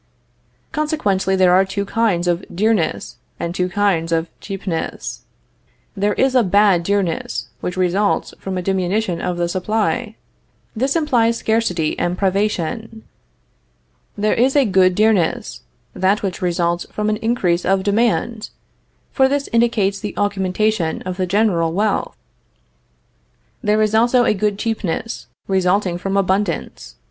Consequently there are two kinds of dearness and two kinds of cheapness. There is a bad dearness, which results from a diminution of the supply; for this implies scarcity and privation. There is a good dearness that which results from an increase of demand; for this indicates the augmentation of the general wealth. There is also a good cheapness, resulting from abundance.